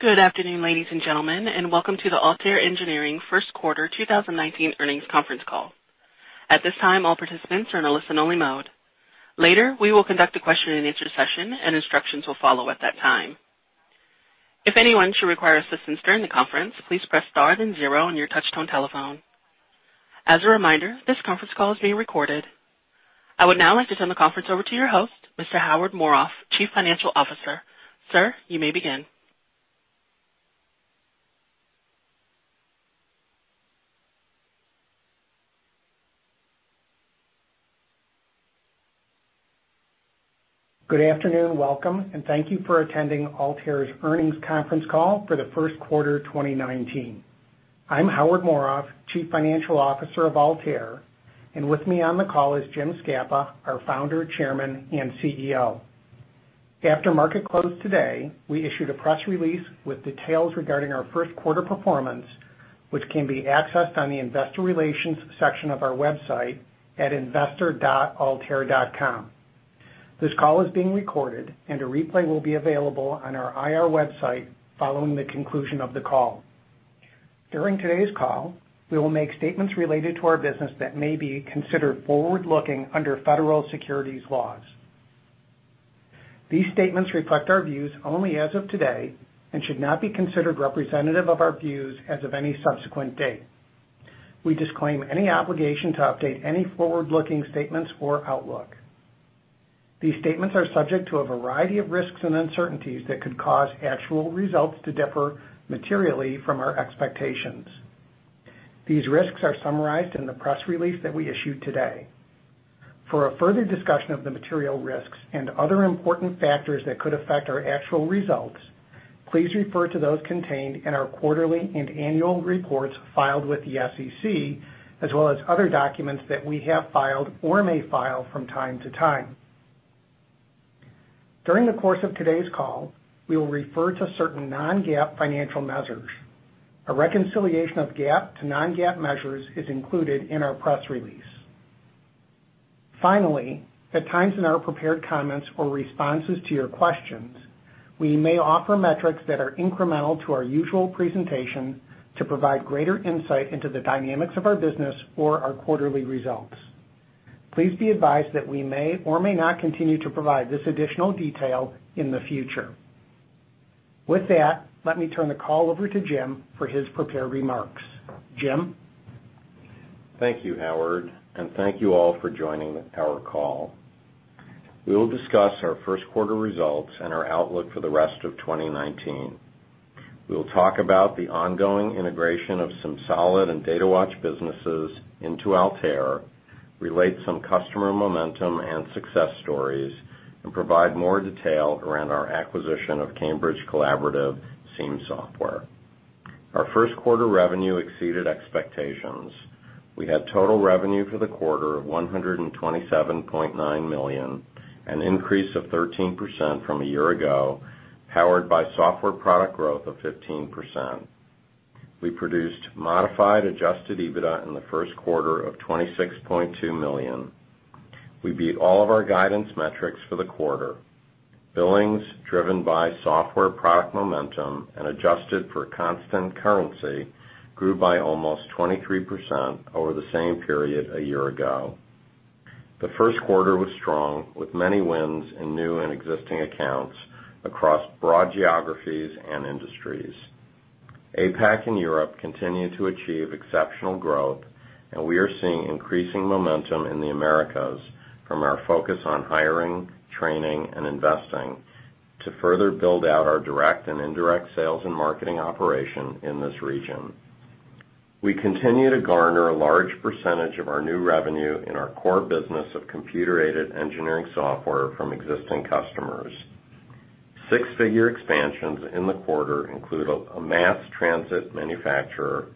Good afternoon, ladies and gentlemen, and welcome to the Altair Engineering First Quarter 2019 Earnings Conference Call. At this time, all participants are in a listen-only mode. Later, we will conduct a question and answer session and instructions will follow at that time. If anyone should require assistance during the conference, please press star then zero on your touchtone telephone. As a reminder, this conference call is being recorded. I would now like to turn the conference over to your host, Mr. Howard Morof, Chief Financial Officer. Sir, you may begin. Good afternoon, welcome, and thank you for attending Altair's earnings conference call for the first quarter 2019. I'm Howard Morof, Chief Financial Officer of Altair, and with me on the call is James Scapa, our Founder, Chairman, and CEO. After market close today, we issued a press release with details regarding our first quarter performance, which can be accessed on the investor relations section of our website at investor.altair.com. This call is being recorded, and a replay will be available on our IR website following the conclusion of the call. During today's call, we will make statements related to our business that may be considered forward-looking under federal securities laws. These statements reflect our views only as of today and should not be considered representative of our views as of any subsequent date. We disclaim any obligation to update any forward-looking statements or outlook. These statements are subject to a variety of risks and uncertainties that could cause actual results to differ materially from our expectations. These risks are summarized in the press release that we issued today. For a further discussion of the material risks and other important factors that could affect our actual results, please refer to those contained in our quarterly and annual reports filed with the SEC, as well as other documents that we have filed or may file from time to time. During the course of today's call, we will refer to certain non-GAAP financial measures. A reconciliation of GAAP to non-GAAP measures is included in our press release. Finally, at times in our prepared comments or responses to your questions, we may offer metrics that are incremental to our usual presentation to provide greater insight into the dynamics of our business or our quarterly results. Please be advised that we may or may not continue to provide this additional detail in the future. With that, let me turn the call over to Jim for his prepared remarks. Jim? Thank you, Howard, and thank you all for joining our call. We will discuss our first quarter results and our outlook for the rest of 2019. We will talk about the ongoing integration of SimSolid and Datawatch businesses into Altair, relate some customer momentum and success stories, and provide more detail around our acquisition of Cambridge Collaborative SEAM software. Our first quarter revenue exceeded expectations. We had total revenue for the quarter of $127.9 million, an increase of 13% from a year ago, powered by software product growth of 15%. We produced modified adjusted EBITDA in the first quarter of $26.2 million. We beat all of our guidance metrics for the quarter. Billings, driven by software product momentum and adjusted for constant currency, grew by almost 23% over the same period a year ago. The first quarter was strong with many wins in new and existing accounts across broad geographies and industries. APAC and Europe continue to achieve exceptional growth. We are seeing increasing momentum in the Americas from our focus on hiring, training, and investing to further build out our direct and indirect sales and marketing operation in this region. We continue to garner a large percentage of our new revenue in our core business of computer-aided engineering software from existing customers. Six-figure expansions in the quarter include a mass transit manufacturer,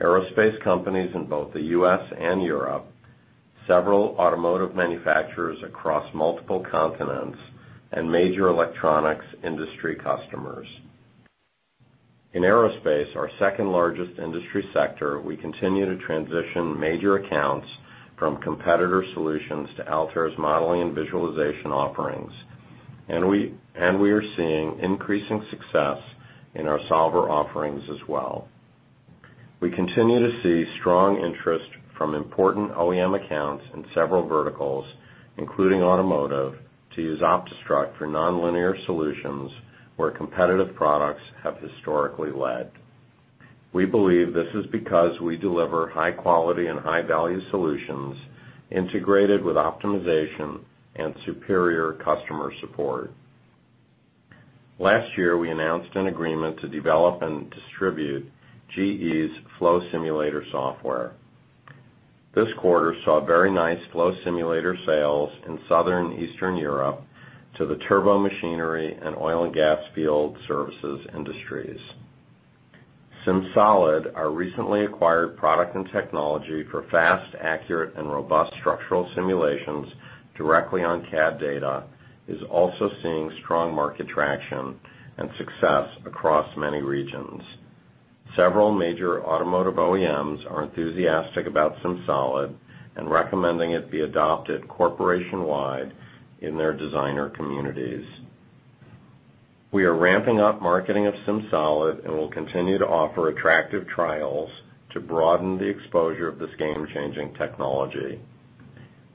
aerospace companies in both the U.S. and Europe, several automotive manufacturers across multiple continents, and major electronics industry customers. In aerospace, our second-largest industry sector, we continue to transition major accounts from competitor solutions to Altair's modeling and visualization offerings. We are seeing increasing success in our solver offerings as well. We continue to see strong interest from important OEM accounts in several verticals, including automotive, to use OptiStruct for nonlinear solutions where competitive products have historically led. We believe this is because we deliver high-quality and high-value solutions integrated with optimization and superior customer support. Last year, we announced an agreement to develop and distribute GE's Flow Simulator software. This quarter saw very nice Flow Simulator sales in Southern and Eastern Europe to the turbomachinery and oil and gas field services industries. SimSolid, our recently acquired product and technology for fast, accurate, and robust structural simulations directly on CAD data, is also seeing strong market traction and success across many regions. Several major automotive OEMs are enthusiastic about SimSolid and recommending it be adopted corporation-wide in their designer communities. We are ramping up marketing of SimSolid. We will continue to offer attractive trials to broaden the exposure of this game-changing technology.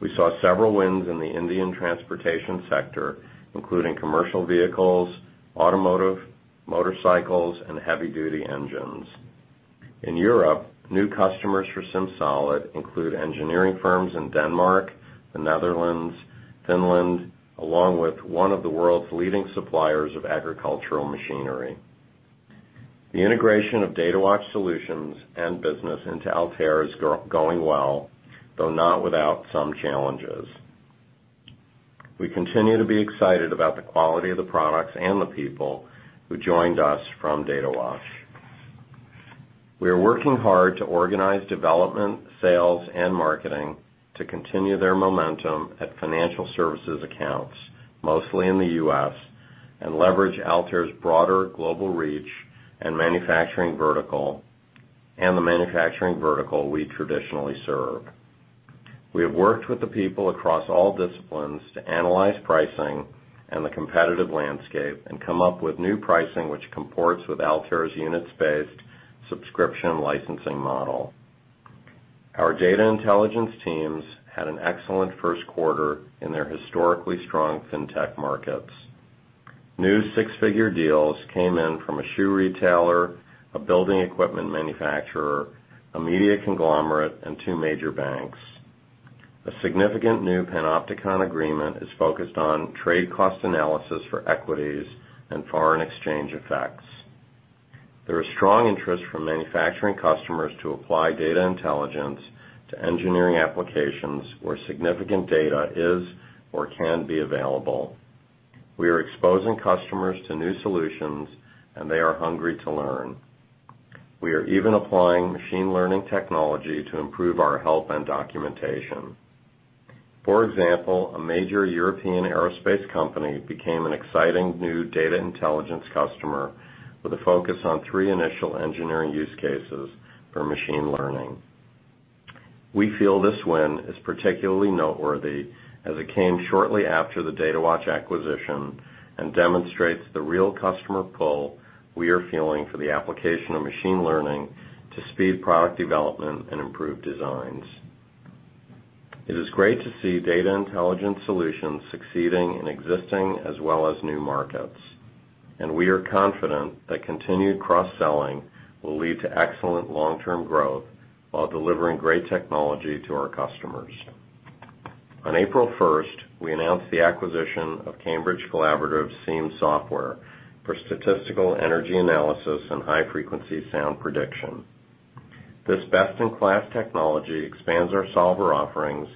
We saw several wins in the Indian transportation sector, including commercial vehicles, automotive, motorcycles, and heavy-duty engines. In Europe, new customers for SimSolid include engineering firms in Denmark, the Netherlands, Finland, along with one of the world's leading suppliers of agricultural machinery. The integration of Datawatch solutions and business into Altair is going well, though not without some challenges. We continue to be excited about the quality of the products and the people who joined us from Datawatch. We are working hard to organize development, sales, and marketing to continue their momentum at financial services accounts, mostly in the U.S., and leverage Altair's broader global reach and the manufacturing vertical we traditionally serve. We have worked with the people across all disciplines to analyze pricing and the competitive landscape and come up with new pricing which comports with Altair's units-based subscription licensing model. Our data intelligence teams had an excellent first quarter in their historically strong fintech markets. New six-figure deals came in from a shoe retailer, a building equipment manufacturer, a media conglomerate, and two major banks. A significant new Panopticon agreement is focused on trade cost analysis for equities and foreign exchange effects. There is strong interest from manufacturing customers to apply data intelligence to engineering applications where significant data is or can be available. We are exposing customers to new solutions, and they are hungry to learn. We are even applying machine learning technology to improve our help and documentation. For example, a major European aerospace company became an exciting new data intelligence customer with a focus on three initial engineering use cases for machine learning. We feel this win is particularly noteworthy as it came shortly after the Datawatch acquisition and demonstrates the real customer pull we are feeling for the application of machine learning to speed product development and improve designs. It is great to see data intelligence solutions succeeding in existing as well as new markets. We are confident that continued cross-selling will lead to excellent long-term growth while delivering great technology to our customers. On April 1st, we announced the acquisition of Cambridge Collaborative's SEAM software for statistical energy analysis and high-frequency sound prediction. This best-in-class technology expands our solver offerings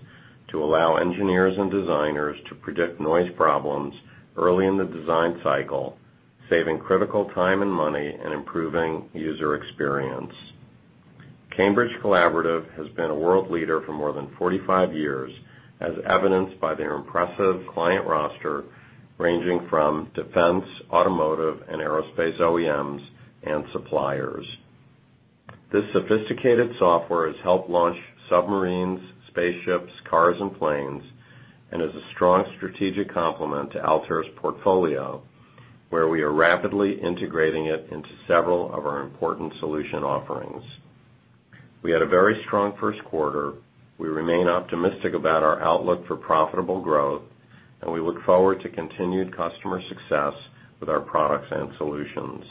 to allow engineers and designers to predict noise problems early in the design cycle, saving critical time and money and improving user experience. Cambridge Collaborative has been a world leader for more than 45 years, as evidenced by their impressive client roster, ranging from defense, automotive, and aerospace OEMs and suppliers. This sophisticated software has helped launch submarines, spaceships, cars, and planes and is a strong strategic complement to Altair's portfolio, where we are rapidly integrating it into several of our important solution offerings. We had a very strong first quarter. We remain optimistic about our outlook for profitable growth, and we look forward to continued customer success with our products and solutions.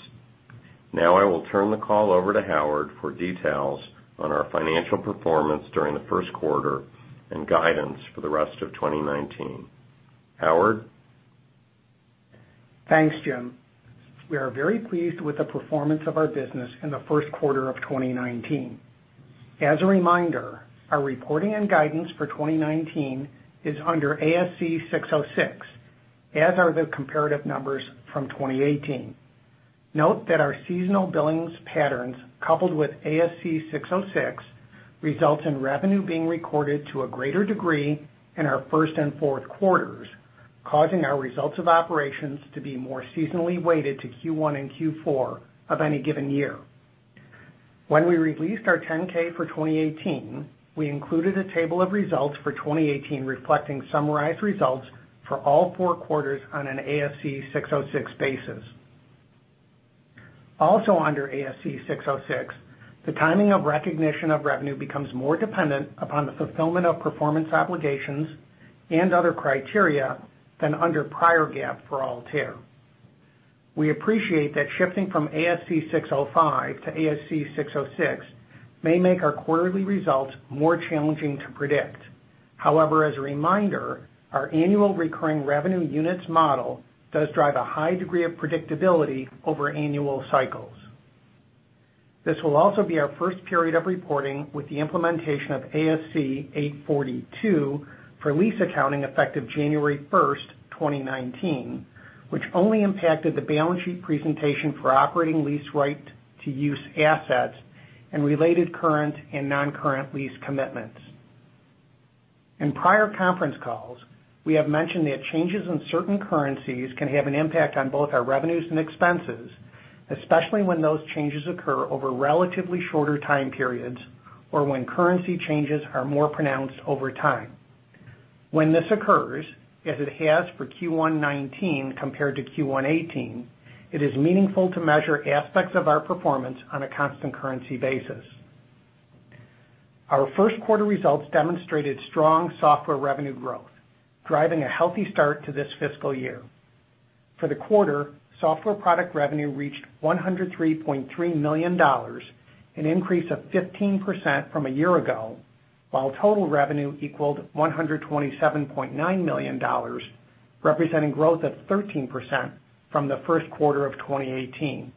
Now, I will turn the call over to Howard for details on our financial performance during the first quarter and guidance for the rest of 2019. Howard? Thanks, Jim. We are very pleased with the performance of our business in the first quarter of 2019. As a reminder, our reporting and guidance for 2019 is under ASC 606, as are the comparative numbers from 2018. Note that our seasonal billings patterns, coupled with ASC 606, results in revenue being recorded to a greater degree in our first and fourth quarters, causing our results of operations to be more seasonally weighted to Q1 and Q4 of any given year. When we released our 10-K for 2018, we included a table of results for 2018 reflecting summarized results for all four quarters on an ASC 606 basis. Under ASC 606, the timing of recognition of revenue becomes more dependent upon the fulfillment of performance obligations and other criteria than under prior GAAP for Altair. We appreciate that shifting from ASC 605 to ASC 606 may make our quarterly results more challenging to predict. However, as a reminder, our annual recurring revenue units model does drive a high degree of predictability over annual cycles. This will also be our first period of reporting with the implementation of ASC 842 for lease accounting effective January 1st, 2019, which only impacted the balance sheet presentation for operating lease right-to-use assets and related current and non-current lease commitments. In prior conference calls, we have mentioned that changes in certain currencies can have an impact on both our revenues and expenses, especially when those changes occur over relatively shorter time periods, or when currency changes are more pronounced over time. When this occurs, as it has for Q1 '19 compared to Q1 '18, it is meaningful to measure aspects of our performance on a constant currency basis. Our first quarter results demonstrated strong software revenue growth, driving a healthy start to this fiscal year. For the quarter, software product revenue reached $103.3 million, an increase of 15% from a year ago, while total revenue equaled $127.9 million, representing growth of 13% from the first quarter of 2018.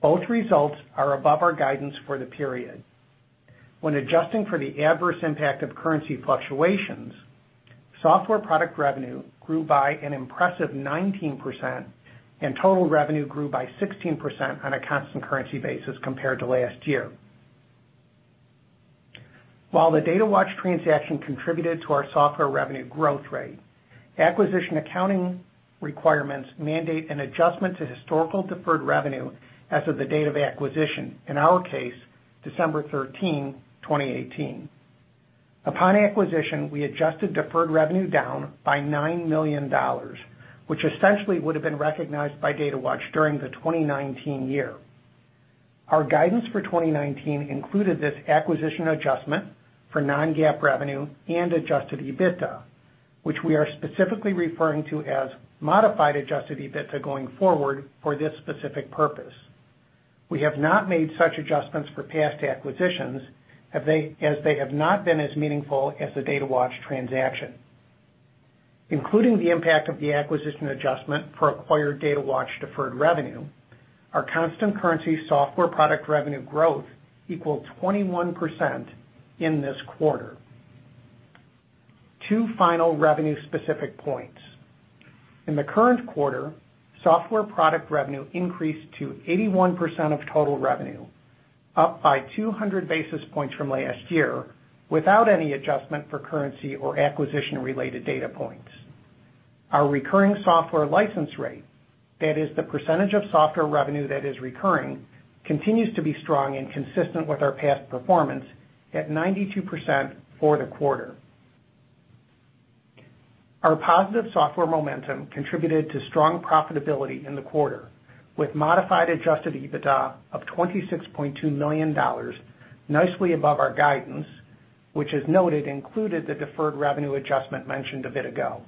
Both results are above our guidance for the period. When adjusting for the adverse impact of currency fluctuations, software product revenue grew by an impressive 19%, and total revenue grew by 16% on a constant currency basis compared to last year. While the Datawatch transaction contributed to our software revenue growth rate, acquisition accounting requirements mandate an adjustment to historical deferred revenue as of the date of acquisition. In our case, December 13, 2018. Upon acquisition, we adjusted deferred revenue down by $9 million, which essentially would have been recognized by Datawatch during the 2019 year. Our guidance for 2019 included this acquisition adjustment for non-GAAP revenue and adjusted EBITDA, which we are specifically referring to as modified adjusted EBITDA going forward for this specific purpose. We have not made such adjustments for past acquisitions, as they have not been as meaningful as the Datawatch transaction. Including the impact of the acquisition adjustment for acquired Datawatch deferred revenue, our constant currency software product revenue growth equaled 21% in this quarter. Two final revenue-specific points. In the current quarter, software product revenue increased to 81% of total revenue, up by 200 basis points from last year, without any adjustment for currency or acquisition-related data points. Our recurring software license rate, that is the percentage of software revenue that is recurring, continues to be strong and consistent with our past performance at 92% for the quarter. Our positive software momentum contributed to strong profitability in the quarter, with modified adjusted EBITDA of $26.2 million, nicely above our guidance, which, as noted, included the deferred revenue adjustment mentioned a bit ago.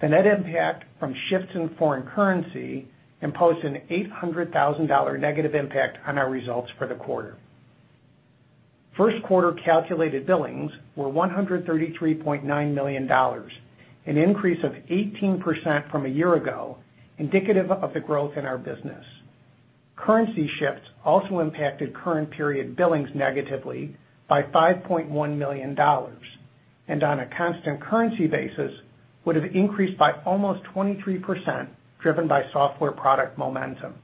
The net impact from shifts in foreign currency imposed an $800,000 negative impact on our results for the quarter. First quarter calculated billings were $133.9 million, an increase of 18% from a year ago, indicative of the growth in our business. Currency shifts also impacted current period billings negatively by $5.1 million, and on a constant currency basis, would have increased by almost 23%, driven by software product momentum.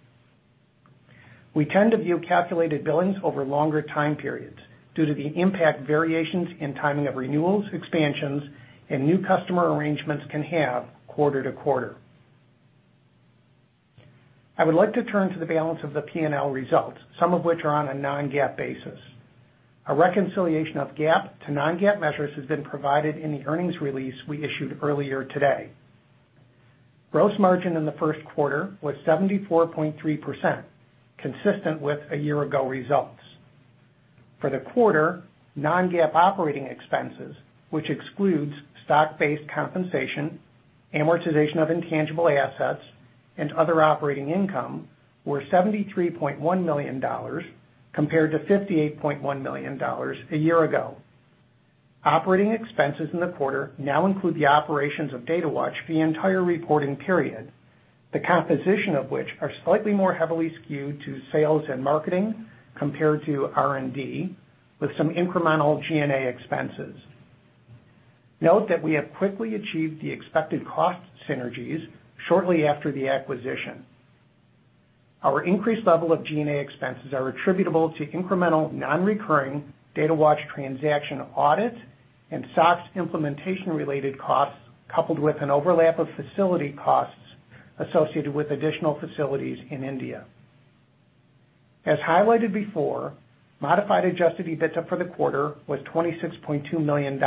We tend to view calculated billings over longer time periods due to the impact variations and timing of renewals, expansions, and new customer arrangements can have quarter to quarter. I would like to turn to the balance of the P&L results, some of which are on a non-GAAP basis. A reconciliation of GAAP to non-GAAP measures has been provided in the earnings release we issued earlier today. Gross margin in the first quarter was 74.3%, consistent with a year ago results. For the quarter, non-GAAP operating expenses, which excludes stock-based compensation, amortization of intangible assets, and other operating income, were $73.1 million, compared to $58.1 million a year ago. Operating expenses in the quarter now include the operations of Datawatch for the entire reporting period, the composition of which are slightly more heavily skewed to sales and marketing compared to R&D, with some incremental G&A expenses. Note that we have quickly achieved the expected cost synergies shortly after the acquisition. Our increased level of G&A expenses are attributable to incremental non-recurring Datawatch transaction audits and SOX implementation-related costs, coupled with an overlap of facility costs associated with additional facilities in India. As highlighted before, modified adjusted EBITDA for the quarter was $26.2 million,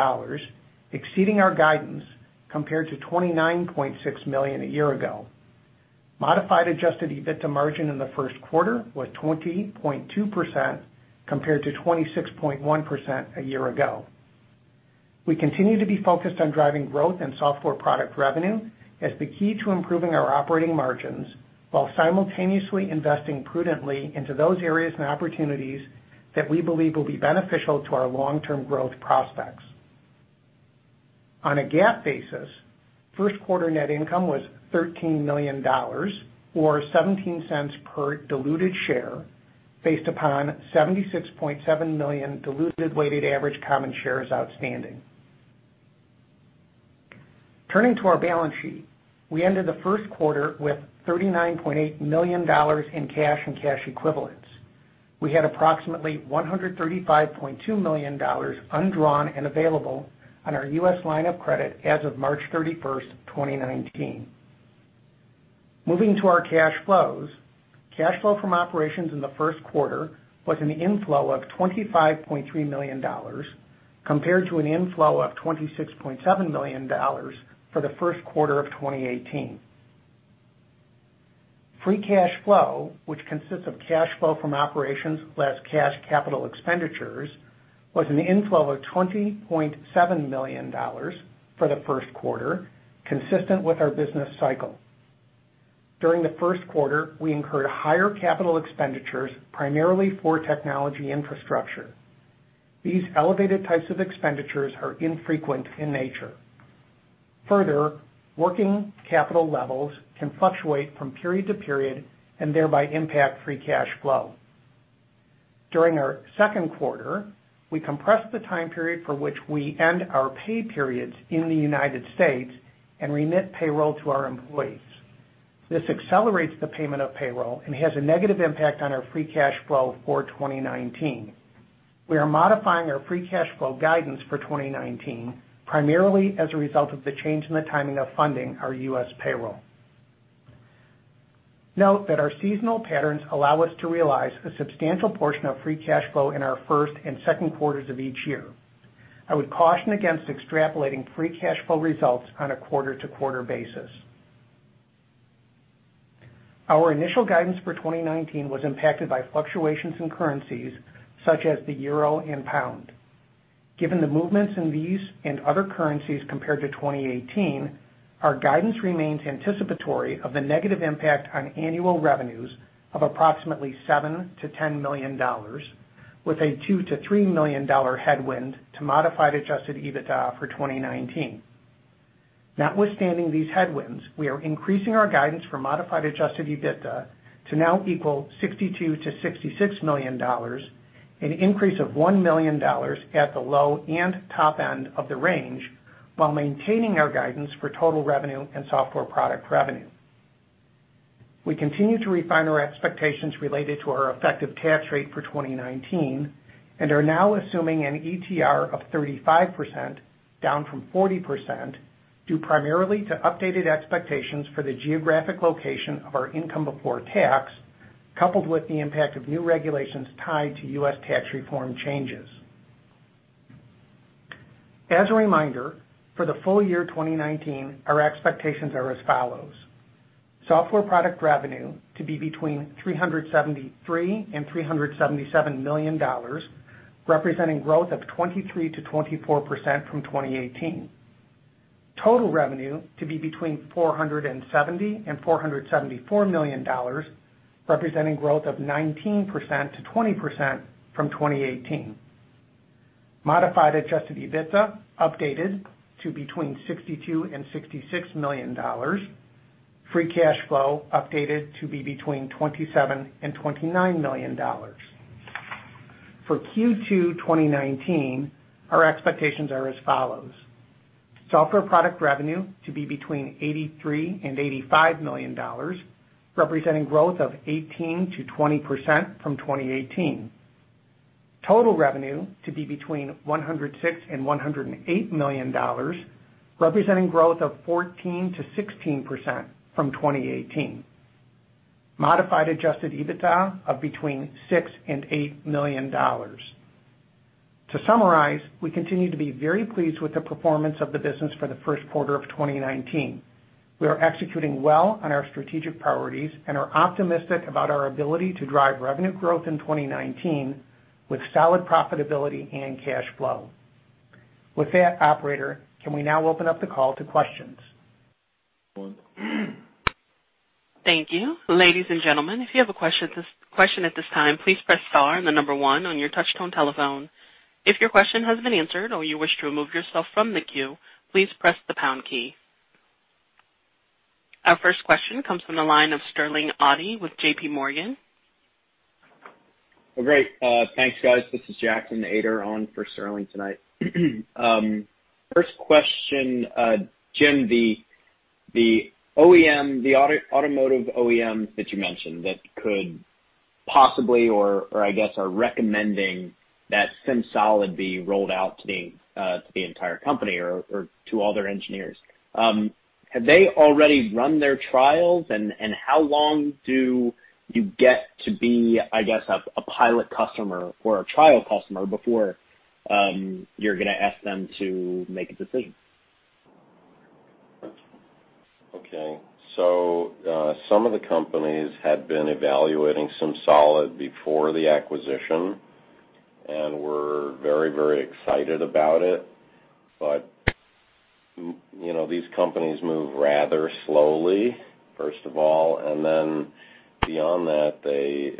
exceeding our guidance compared to $29.6 million a year ago. Modified adjusted EBITDA margin in the first quarter was 20.2% compared to 26.1% a year ago. We continue to be focused on driving growth in software product revenue as the key to improving our operating margins, while simultaneously investing prudently into those areas and opportunities that we believe will be beneficial to our long-term growth prospects. On a GAAP basis, first quarter net income was $13 million, or $0.17 per diluted share, based upon 76.7 million diluted weighted average common shares outstanding. Turning to our balance sheet, we ended the first quarter with $39.8 million in cash and cash equivalents. We had approximately $135.2 million undrawn and available on our U.S. line of credit as of March 31st, 2019. Moving to our cash flows. Cash flow from operations in the first quarter was an inflow of $25.3 million, compared to an inflow of $26.7 million for the first quarter of 2018. Free cash flow, which consists of cash flow from operations less cash capital expenditures, was an inflow of $20.7 million for the first quarter, consistent with our business cycle. During the first quarter, we incurred higher capital expenditures, primarily for technology infrastructure. These elevated types of expenditures are infrequent in nature. Working capital levels can fluctuate from period to period and thereby impact free cash flow. During our second quarter, we compressed the time period for which we end our pay periods in the United States and remit payroll to our employees. This accelerates the payment of payroll and has a negative impact on our free cash flow for 2019. We are modifying our free cash flow guidance for 2019, primarily as a result of the change in the timing of funding our U.S. payroll. Note that our seasonal patterns allow us to realize a substantial portion of free cash flow in our first and second quarters of each year. I would caution against extrapolating free cash flow results on a quarter-to-quarter basis. Our initial guidance for 2019 was impacted by fluctuations in currencies such as the euro and pound. Given the movements in these and other currencies compared to 2018, our guidance remains anticipatory of the negative impact on annual revenues of approximately $7 million-$10 million, with a $2 million-$3 million headwind to modified adjusted EBITDA for 2019. Notwithstanding these headwinds, we are increasing our guidance for modified adjusted EBITDA to now equal $62 million-$66 million, an increase of $1 million at the low and top end of the range, while maintaining our guidance for total revenue and software product revenue. We continue to refine our expectations related to our effective tax rate for 2019 and are now assuming an ETR of 35%, down from 40%, due primarily to updated expectations for the geographic location of our income before tax, coupled with the impact of new regulations tied to U.S. tax reform changes. As a reminder, for the full year 2019, our expectations are as follows. Software product revenue to be between $373 million and $377 million, representing growth of 23%-24% from 2018. Total revenue to be between $470 million and $474 million, representing growth of 19%-20% from 2018. Modified adjusted EBITDA updated to between $62 million and $66 million. Free cash flow updated to be between $27 million and $29 million. For Q2 2019, our expectations are as follows. Software product revenue to be between $83 million and $85 million, representing growth of 18%-20% from 2018. Total revenue to be between $106 million and $108 million, representing growth of 14%-16% from 2018. Modified adjusted EBITDA of between $6 million and $8 million. To summarize, we continue to be very pleased with the performance of the business for the first quarter of 2019. We are executing well on our strategic priorities and are optimistic about our ability to drive revenue growth in 2019 with solid profitability and cash flow. With that, operator, can we now open up the call to questions? Thank you. Ladies and gentlemen, if you have a question at this time, please press star and the number one on your touch-tone telephone. If your question has been answered or you wish to remove yourself from the queue, please press the pound key. Our first question comes from the line of Sterling Auty with JPMorgan. Thanks, guys. This is Jackson Ader on for Sterling Auty tonight. First question, Jim, the automotive OEM that you mentioned that could possibly or, I guess, are recommending that SimSolid be rolled out to the entire company or to all their engineers. Have they already run their trials? How long do you get to be, I guess, a pilot customer or a trial customer before you're going to ask them to make a decision? Okay. Some of the companies had been evaluating SimSolid before the acquisition and were very excited about it. These companies move rather slowly, first of all. Beyond that, they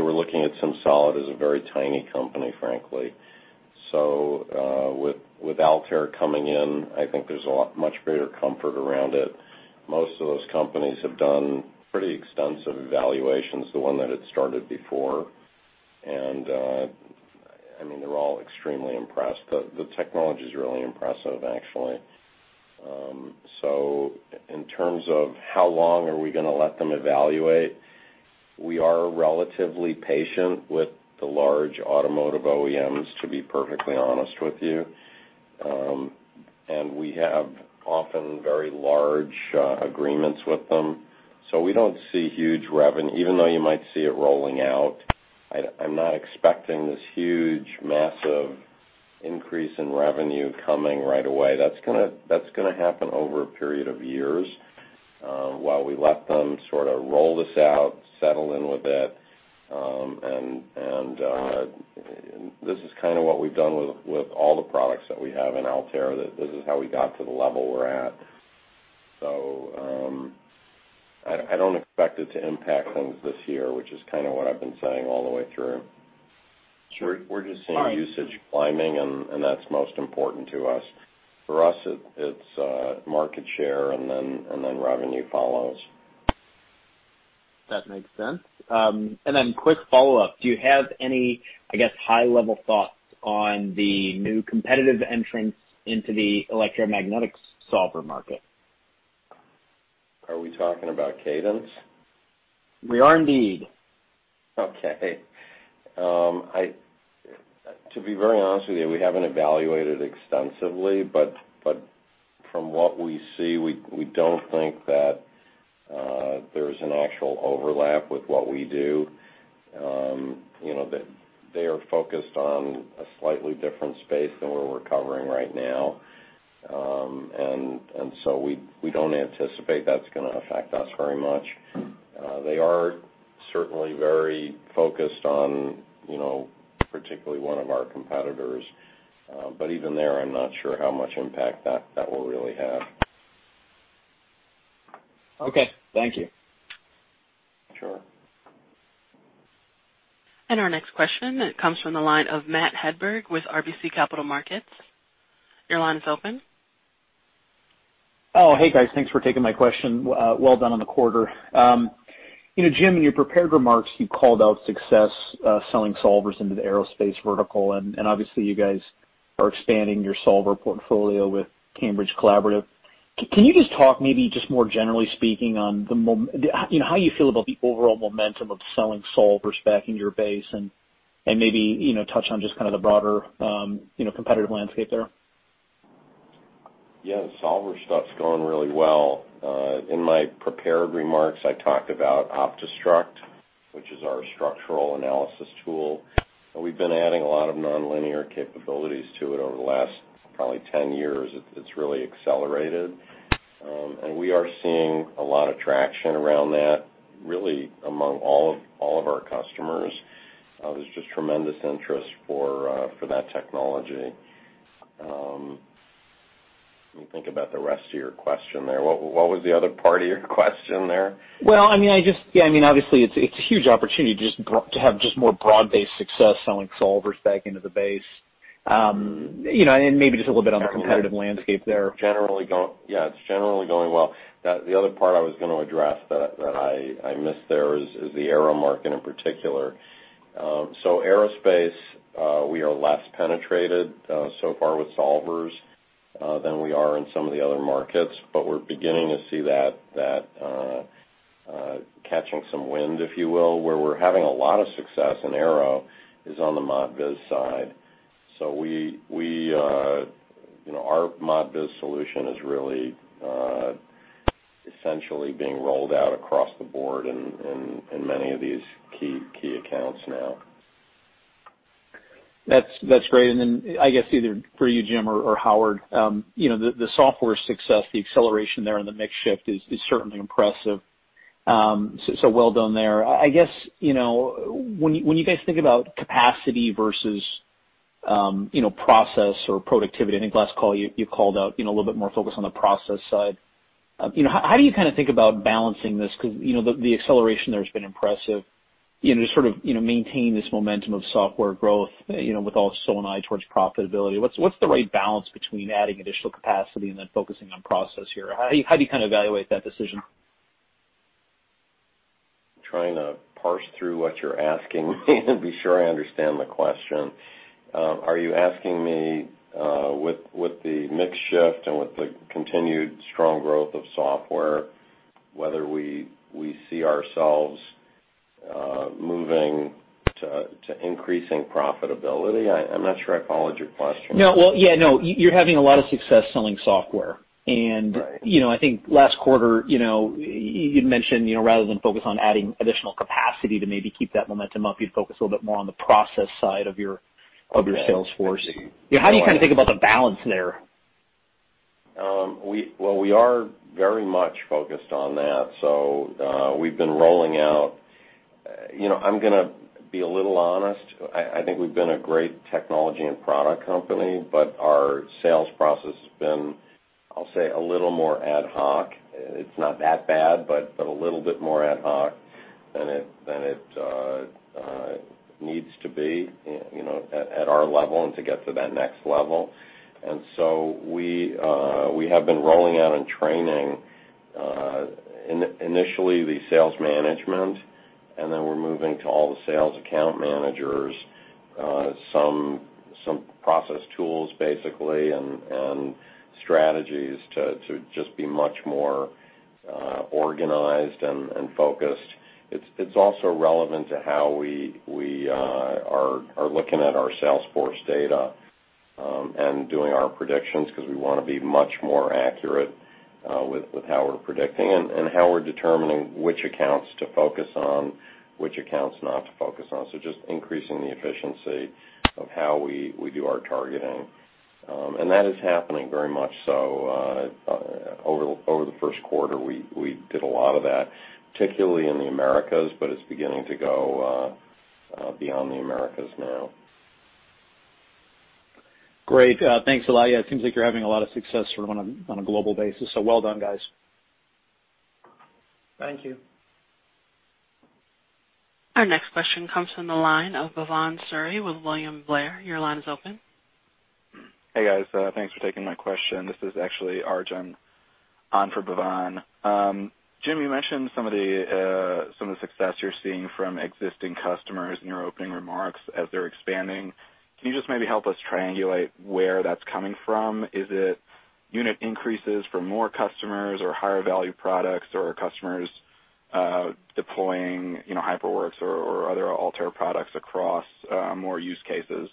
were looking at SimSolid as a very tiny company, frankly. With Altair coming in, I think there's a much greater comfort around it. Most of those companies have done pretty extensive evaluations, the one that had started before. I mean, they're all extremely impressed. The technology's really impressive, actually. In terms of how long are we going to let them evaluate, we are relatively patient with the large automotive OEMs, to be perfectly honest with you. We have often very large agreements with them. We don't see huge revenue, even though you might see it rolling out. I'm not expecting this huge, massive increase in revenue coming right away. That's going to happen over a period of years, while we let them sort of roll this out, settle in with it. This is kind of what we've done with all the products that we have in Altair, that this is how we got to the level we're at. I don't expect it to impact things this year, which is kind of what I've been saying all the way through. Sure. We're just seeing usage climbing, and that's most important to us. For us, it's market share, and then revenue follows. That makes sense. Then quick follow-up, do you have any, I guess, high-level thoughts on the new competitive entrants into the electromagnetics solver market? Are we talking about Cadence? We are indeed. Okay. To be very honest with you, we haven't evaluated extensively, from what we see, we don't think that there's an actual overlap with what we do. They are focused on a slightly different space than what we're covering right now. We don't anticipate that's going to affect us very much. They are certainly very focused on particularly one of our competitors. Even there, I'm not sure how much impact that will really have. Okay. Thank you. Sure. Our next question comes from the line of Matthew Hedberg with RBC Capital Markets. Your line is open. Oh, hey, guys. Thanks for taking my question. Well done on the quarter. Jim, in your prepared remarks, you called out success selling solvers into the aerospace vertical, and obviously you guys are expanding your solver portfolio with Cambridge Collaborative. Can you just talk maybe just more generally speaking on how you feel about the overall momentum of selling solvers back into your base and maybe touch on just kind of the broader competitive landscape there? Yeah. The solver stuff's going really well. In my prepared remarks, I talked about OptiStruct, which is our structural analysis tool. We've been adding a lot of nonlinear capabilities to it over the last probably 10 years. It's really accelerated. We are seeing a lot of traction around that really among all of our customers. There's just tremendous interest for that technology. Let me think about the rest of your question there. What was the other part of your question there? Well, I mean, obviously, it's a huge opportunity just to have just more broad-based success selling solvers back into the base. Maybe just a little bit on the competitive landscape there. Yeah. It's generally going well. The other part I was going to address that I missed there is the aero market in particular. Aerospace, we are less penetrated so far with solvers than we are in some of the other markets. We're beginning to see that catching some wind, if you will. Where we're having a lot of success in aero is on the Modviz side. Our Modviz solution is really essentially being rolled out across the board in many of these key accounts now. That's great. Then I guess either for you, Jim or Howard Morof, the software success, the acceleration there, and the mix shift is certainly impressive. Well done there. I guess, when you guys think about capacity versus process or productivity, I think last call you called out a little bit more focus on the process side. How do you kind of think about balancing this? The acceleration there has been impressive. Just sort of maintain this momentum of software growth with also an eye towards profitability. What's the right balance between adding additional capacity and then focusing on process here? How do you kind of evaluate that decision? Trying to parse through what you're asking and be sure I understand the question. Are you asking me, with the mix shift and with the continued strong growth of software, whether we see ourselves moving to increasing profitability? I'm not sure I followed your question. No. Well, yeah, no. You're having a lot of success selling software. Right. I think last quarter, you'd mentioned rather than focus on adding additional capacity to maybe keep that momentum up, you'd focus a little bit more on the process side of your sales force. Okay. I see. How do you kind of think about the balance there? We are very much focused on that. We've been rolling out I'm going to be a little honest. I think we've been a great technology and product company, but our sales process has been, I'll say, a little more ad hoc. It's not that bad, but a little bit more ad hoc than it needs to be at our level and to get to that next level. We have been rolling out and training initially the sales management, and then we're moving to all the sales account managers, some process tools basically, and strategies to just be much more organized and focused. It's also relevant to how we are looking at our sales force data, and doing our predictions, because we want to be much more accurate with how we're predicting and how we're determining which accounts to focus on, which accounts not to focus on. Just increasing the efficiency of how we do our targeting. That is happening very much so. Over the first quarter, we did a lot of that, particularly in the Americas, but it's beginning to go beyond the Americas now. Great. Thanks a lot. Yeah, it seems like you're having a lot of success on a global basis. Well done, guys. Thank you. Our next question comes from the line of Bhavan Suri with William Blair. Your line is open. Hey, guys. Thanks for taking my question. This is actually Arjun on for Bhavan. Jim, you mentioned some of the success you're seeing from existing customers in your opening remarks as they're expanding. Can you just maybe help us triangulate where that's coming from? Is it unit increases from more customers or higher value products, or are customers deploying HyperWorks or other Altair products across more use cases?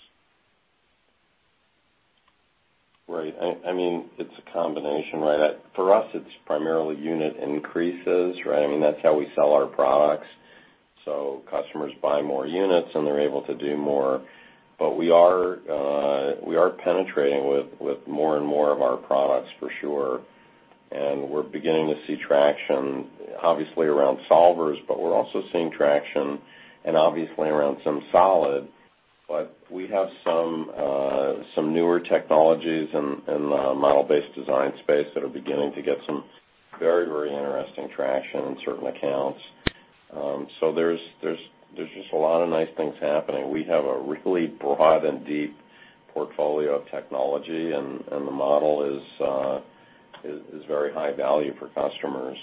Right. It's a combination. For us, it's primarily unit increases. Customers buy more units, and they're able to do more. We are penetrating with more and more of our products for sure, and we're beginning to see traction, obviously around solvers, but we're also seeing traction and obviously around SimSolid. We have some newer technologies in the model-based design space that are beginning to get some very interesting traction in certain accounts. There's just a lot of nice things happening. We have a really broad and deep portfolio of technology, and the model is very high value for customers.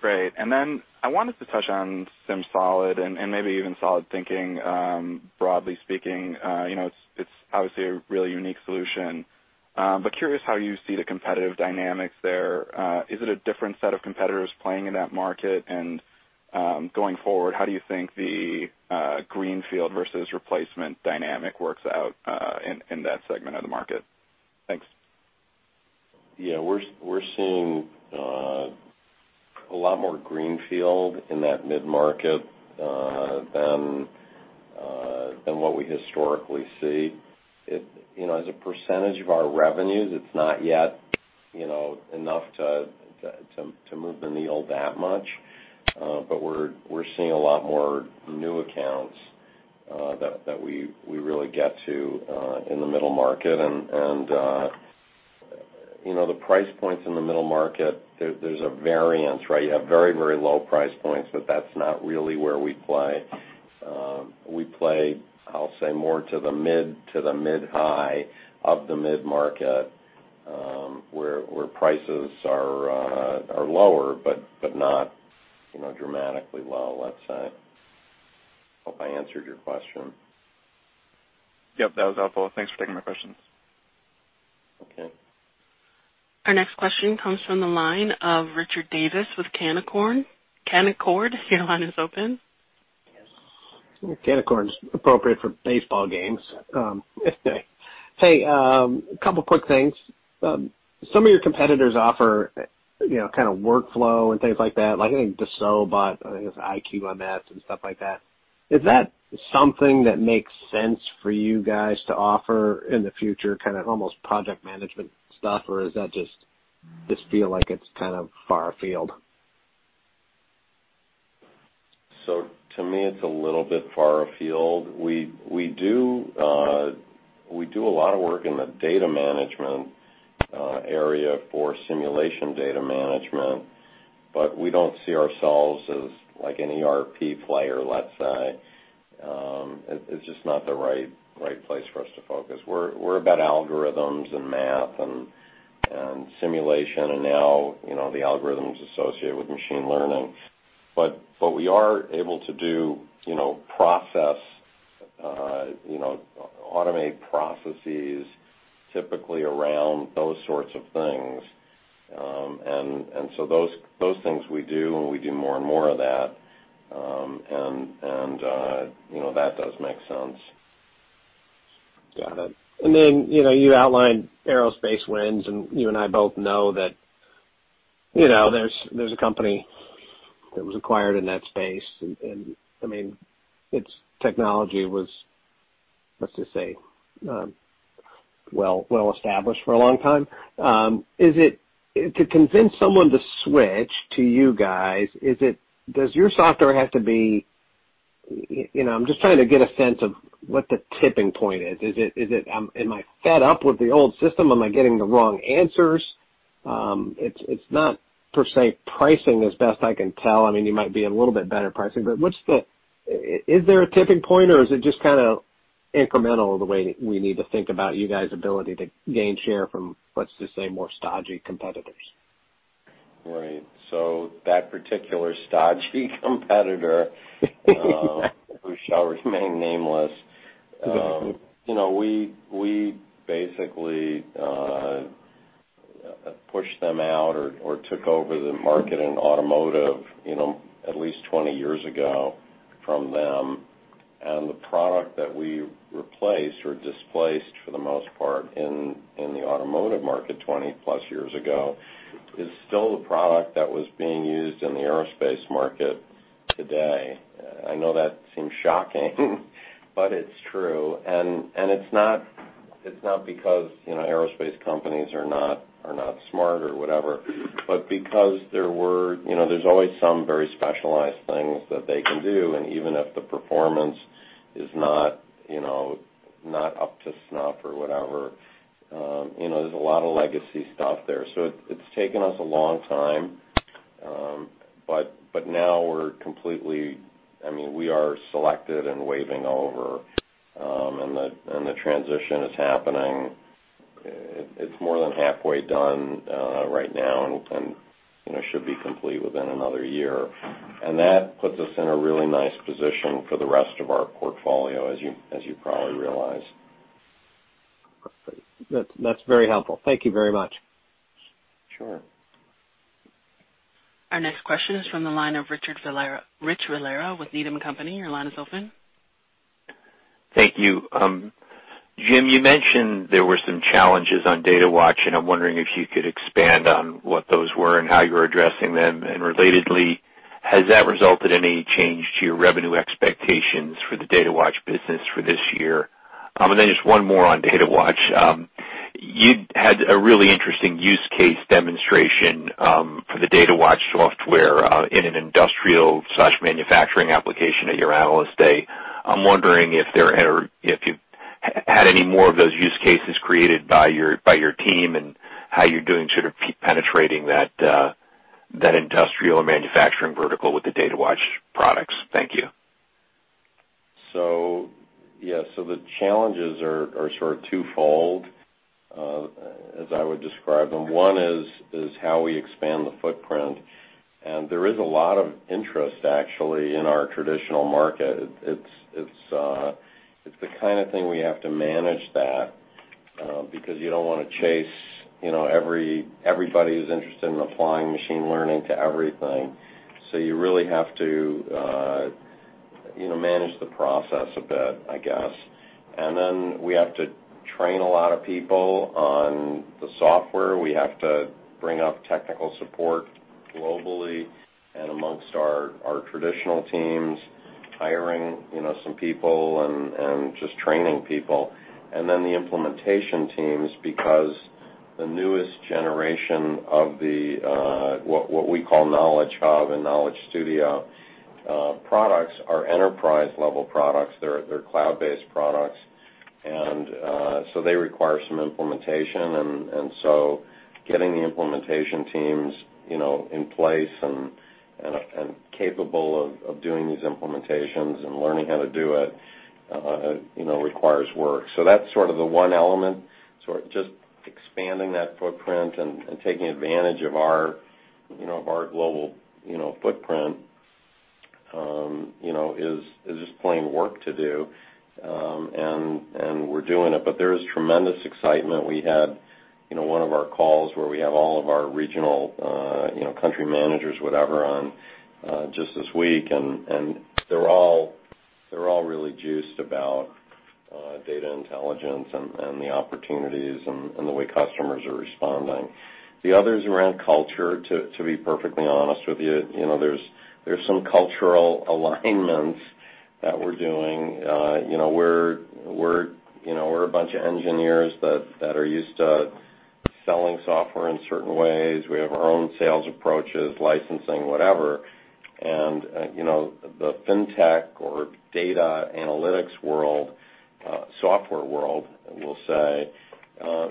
Great. I wanted to touch on SimSolid and maybe even solidThinking, broadly speaking. It's obviously a really unique solution. Curious how you see the competitive dynamics there. Is it a different set of competitors playing in that market? Going forward, how do you think the greenfield versus replacement dynamic works out in that segment of the market? Thanks. Yeah. We're seeing a lot more greenfield in that mid-market than what we historically see. As a percentage of our revenues, it's not yet enough to move the needle that much. We're seeing a lot more new accounts that we really get to in the middle market. The price points in the middle market, there's a variance. You have very low price points, but that's not really where we play. We play, I'll say more to the mid, to the mid-high of the mid-market, where prices are lower, but not dramatically low, let's say. Hope I answered your question. Yep, that was helpful. Thanks for taking my questions. Okay. Our next question comes from the line of Richard Davis with Canaccord. Canaccord, your line is open. Canaccord is appropriate for baseball games. Hey, a couple of quick things. Some of your competitors offer workflow and things like that, like Dassault, but I guess IQMS and stuff like that. Is that something that makes sense for you guys to offer in the future, almost project management stuff, or does that just feel like it's far afield? To me, it's a little bit far afield. We do a lot of work in the data management area for simulation data management, but we don't see ourselves as like an ERP player, let's say. It's just not the right place for us to focus. We're about algorithms and math and simulation, and now the algorithms associated with machine learning. We are able to automate processes typically around those sorts of things. Those things we do, and we do more and more of that. That does make sense. Got it. Then, you outlined aerospace wins, and you and I both know that there's a company that was acquired in that space. Its technology was, let's just say, well established for a long time. To convince someone to switch to you guys, does your software have to be? I'm just trying to get a sense of what the tipping point is. Am I fed up with the old system? Am I getting the wrong answers? It's not per se pricing as best I can tell. You might be a little bit better pricing, but is there a tipping point or is it just incremental the way we need to think about you guys' ability to gain share from, let's just say, more stodgy competitors. Right. That particular stodgy competitor who shall remain nameless. We basically pushed them out or took over the market in automotive at least 20 years ago from them. The product that we replaced or displaced, for the most part in the automotive market 20 plus years ago, is still the product that was being used in the aerospace market today. I know that seems shocking, but it's true. It's not because aerospace companies are not smart or whatever, but because there's always some very specialized things that they can do, and even if the performance is not up to snuff or whatever, there's a lot of legacy stuff there. It's taken us a long time. Now we're completely selected and waving over, and the transition is happening. It's more than halfway done right now, and should be complete within another year. That puts us in a really nice position for the rest of our portfolio, as you probably realize. That's very helpful. Thank you very much. Sure. Our next question is from the line of Richard Valera-- Rich Valera with Needham & Company. Your line is open. Thank you. Jim, you mentioned there were some challenges on Datawatch, and I'm wondering if you could expand on what those were and how you're addressing them. Relatedly, has that resulted in any change to your revenue expectations for the Datawatch business for this year? Then just one more on Datawatch. You had a really interesting use case demonstration for the Datawatch software in an industrial/manufacturing application at your Analyst Day. I'm wondering if you've had any more of those use cases created by your team and how you're doing penetrating that industrial and manufacturing vertical with the Datawatch products. Thank you. The challenges are sort of twofold, as I would describe them. One is how we expand the footprint. There is a lot of interest, actually, in our traditional market. It's the kind of thing we have to manage that, because you don't want to chase everybody who's interested in applying machine learning to everything. You really have to manage the process a bit, I guess. Then we have to train a lot of people on the software. We have to bring up technical support globally and amongst our traditional teams, hiring some people and just training people. Then the implementation teams, because the newest generation of what we call Knowledge Hub and Knowledge Studio products are enterprise level products. They're cloud-based products. They require some implementation, getting the implementation teams in place and capable of doing these implementations and learning how to do it requires work. That's sort of the one element, just expanding that footprint and taking advantage of our global footprint is just plain work to do. We're doing it. There is tremendous excitement. We had one of our calls where we have all of our regional country managers, whatever, on just this week, and they're all really juiced about data intelligence and the opportunities and the way customers are responding. The other is around culture, to be perfectly honest with you. There's some cultural alignments that we're doing. We're a bunch of engineers that are used to selling software in certain ways. We have our own sales approaches, licensing, whatever. The fintech or data analytics world, software world, we'll say,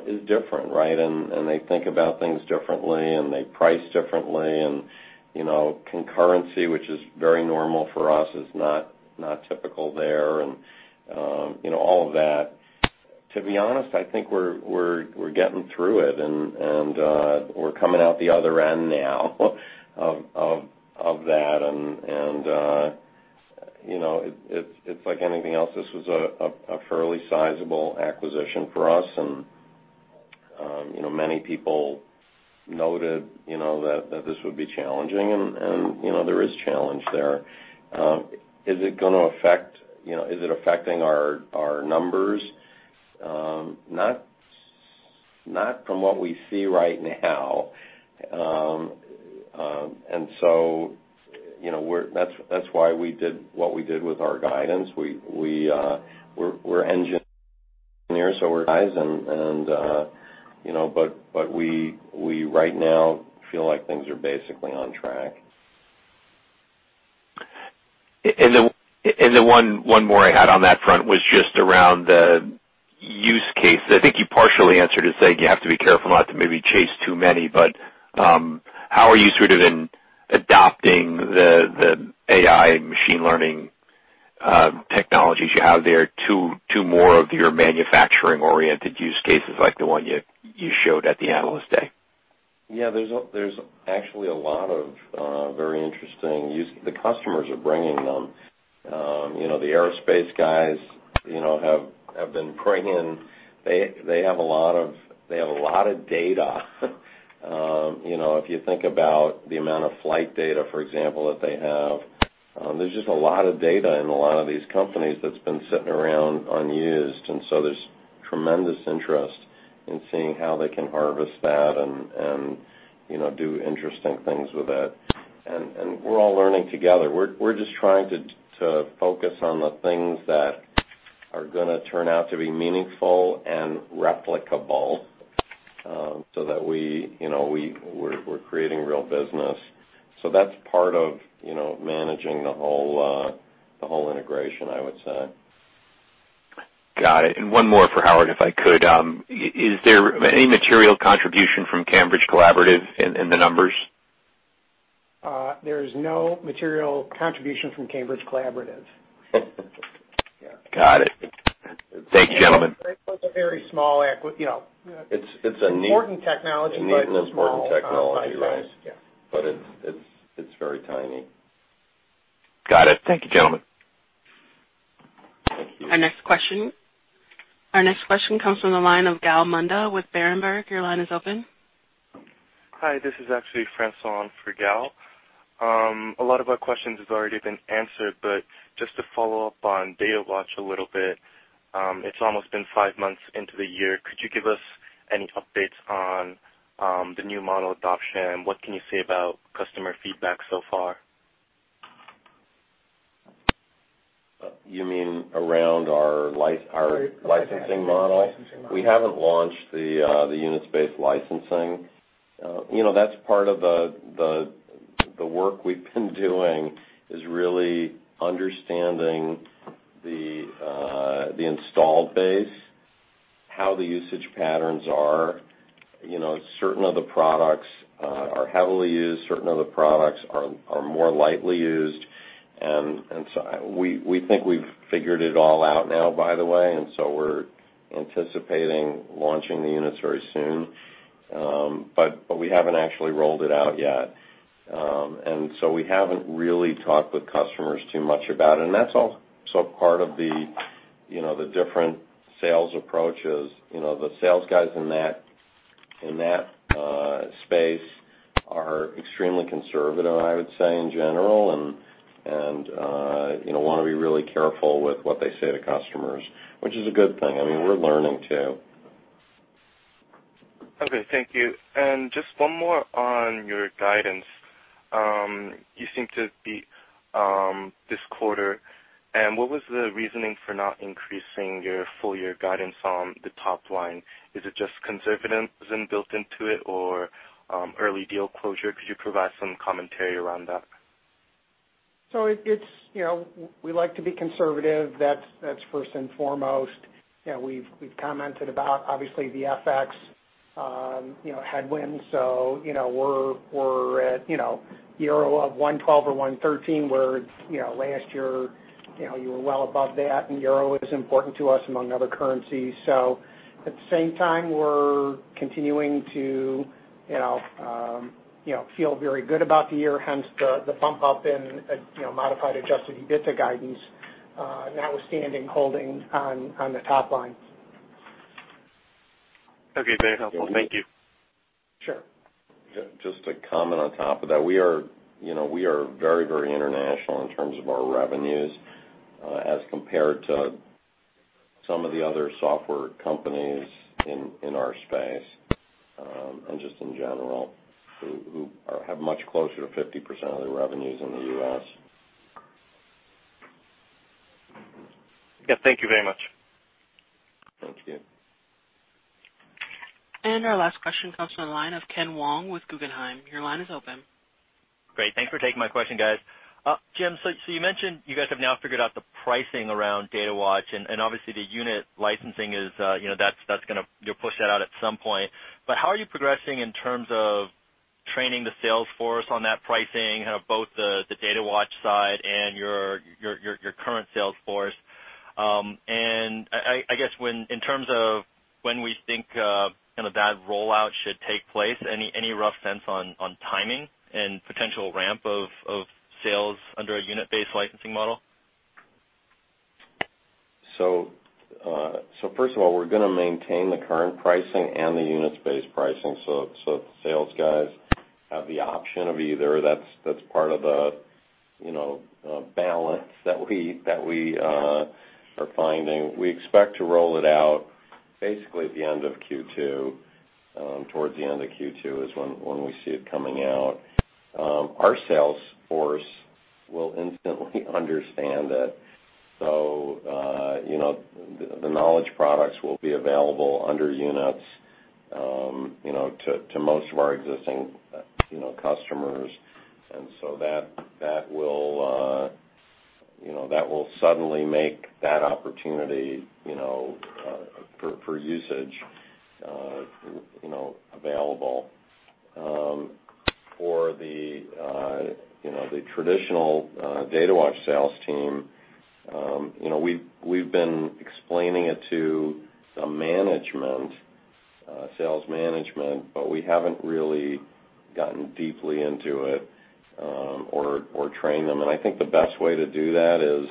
is different, right? They think about things differently, and they price differently, and concurrency, which is very normal for us, is not typical there, and all of that. To be honest, I think we're getting through it, and we're coming out the other end now of that. It's like anything else. This was a fairly sizable acquisition for us, and many people noted that this would be challenging, and there is challenge there. Is it affecting our numbers? Not from what we see right now. That's why we did what we did with our guidance. We're engineers, we right now feel like things are basically on track. One more I had on that front was just around the use case. I think you partially answered it, saying you have to be careful not to maybe chase too many. How are you adopting the AI machine learning technologies you have there to more of your manufacturing-oriented use cases like the one you showed at the Analyst Day? There's actually a lot of very interesting use. The customers are bringing them. The aerospace guys have been bringing in. They have a lot of data. If you think about the amount of flight data, for example, that they have, there's just a lot of data in a lot of these companies that's been sitting around unused. There's tremendous interest in seeing how they can harvest that and do interesting things with it. We're all learning together. We're just trying to focus on the things that are going to turn out to be meaningful and replicable, so that we're creating real business. That's part of managing the whole integration, I would say. Got it. One more for Howard, if I could. Is there any material contribution from Cambridge Collaborative in the numbers? There is no material contribution from Cambridge Collaborative. Got it. Thank you, gentlemen. It was a very small equity. It's a neat- Important technology, but small. neat and important technology, right? Yeah. It's very tiny. Got it. Thank you, gentlemen. Thank you. Our next question comes from the line of Gal Munda with Berenberg. Your line is open. Hi, this is actually Francois for Gal. A lot of our questions has already been answered, but just to follow up on Datawatch a little bit. It's almost been five months into the year. Could you give us any updates on the new model adoption? What can you say about customer feedback so far? You mean around our licensing model? Licensing model. We haven't launched the units-based licensing. That's part of the work we've been doing, is really understanding the install base, how the usage patterns are. Certain of the products are heavily used, certain of the products are more lightly used. So we think we've figured it all out now, by the way, so we're anticipating launching the units very soon. We haven't actually rolled it out yet. So we haven't really talked with customers too much about it. That's also part of the different sales approaches. The sales guys in that space are extremely conservative, I would say in general, and want to be really careful with what they say to customers, which is a good thing. I mean, we're learning, too. Okay, thank you. Just one more on your guidance. You seem to beat this quarter, what was the reasoning for not increasing your full year guidance on the top line? Is it just conservatism built into it or early deal closure? Could you provide some commentary around that? We like to be conservative. That's first and foremost. We've commented about, obviously, the FX headwinds. We're at 112 euro or 113, where last year, you were well above that, and EUR is important to us among other currencies. At the same time, we're continuing to feel very good about the year, hence the bump up in modified adjusted EBITDA guidance, notwithstanding holding on the top line. Okay. Very helpful. Thank you. Sure. Just to comment on top of that. We are very international in terms of our revenues as compared to some of the other software companies in our space, and just in general, who have much closer to 50% of their revenues in the U.S. Yeah. Thank you very much. Thanks again. Our last question comes from the line of Kenneth Wong with Guggenheim. Your line is open. Great. Thanks for taking my question, guys. Jim, you mentioned you guys have now figured out the pricing around Datawatch, obviously the unit licensing, you'll push that out at some point. How are you progressing in terms of training the sales force on that pricing, both the Datawatch side and your current sales force? I guess in terms of when we think that rollout should take place, any rough sense on timing and potential ramp of sales under a unit-based licensing model? First of all, we're going to maintain the current pricing and the units-based pricing. The sales guys have the option of either. That's part of the balance that we are finding. We expect to roll it out basically at the end of Q2. Towards the end of Q2 is when we see it coming out. Our sales force will instantly understand it. The knowledge products will be available under units to most of our existing customers. That will suddenly make that opportunity for usage available. For the traditional Datawatch sales team, we've been explaining it to some management, sales management, we haven't really gotten deeply into it or trained them. I think the best way to do that is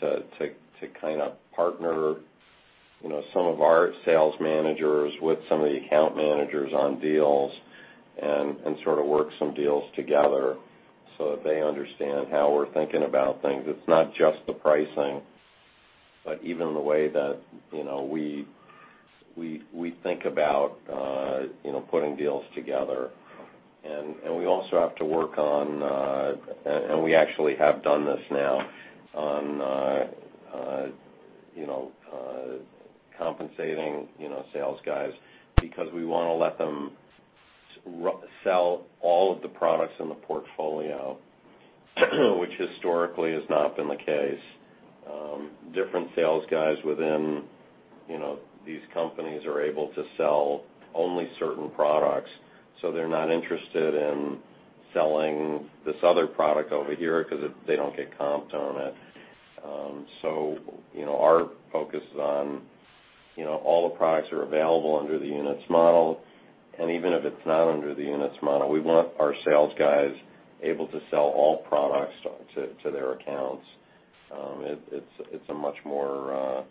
to partner some of our sales managers with some of the account managers on deals and sort of work some deals together so that they understand how we're thinking about things. It's not just the pricing, but even the way that we think about putting deals together. We also have to work on, and we actually have done this now, on compensating sales guys because we want to let them sell all of the products in the portfolio, which historically has not been the case. Different sales guys within these companies are able to sell only certain products, so they're not interested in selling this other product over here because they don't get comped on it. Our focus is on all the products are available under the units model, and even if it's not under the units model, we want our sales guys able to sell all products to their accounts. It's a much more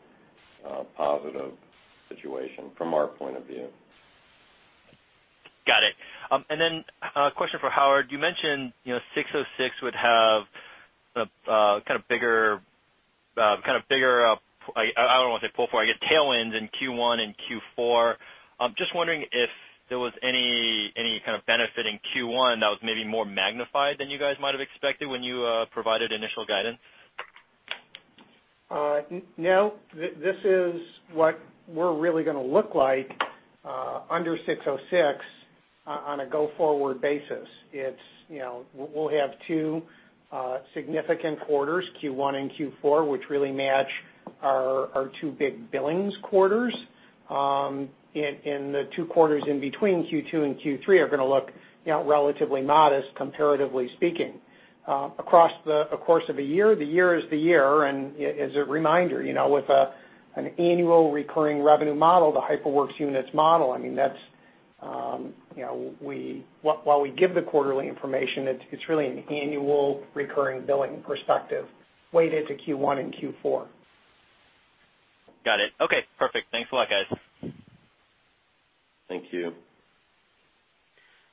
positive situation from our point of view. Got it. A question for Howard. You mentioned 606 would have kind of bigger, I don't want to say pull forward, I get tailwinds in Q1 and Q4. Just wondering if there was any kind of benefit in Q1 that was maybe more magnified than you guys might have expected when you provided initial guidance? No. This is what we're really going to look like under 606 on a go-forward basis. We'll have two significant quarters, Q1 and Q4, which really match our two big billings quarters. The two quarters in between Q2 and Q3 are going to look relatively modest comparatively speaking. Across the course of a year, the year is the year, and as a reminder, with an annual recurring revenue model, the HyperWorks units model, while we give the quarterly information, it's really an annual recurring billing perspective weighted to Q1 and Q4. Got it. Okay, perfect. Thanks a lot, guys. Thank you.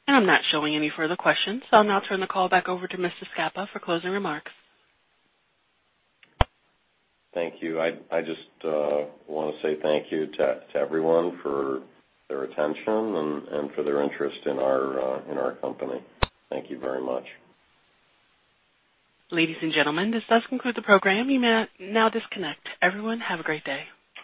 I'm not showing any further questions, so I'll now turn the call back over to Mr. Scapa for closing remarks. Thank you. I just want to say thank you to everyone for their attention and for their interest in our company. Thank you very much. Ladies and gentlemen, this does conclude the program. You may now disconnect. Everyone, have a great day.